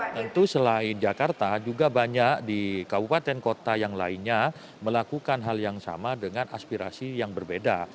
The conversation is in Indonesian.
tentu selain jakarta juga banyak di kabupaten kota yang lainnya melakukan hal yang sama dengan aspirasi yang berbeda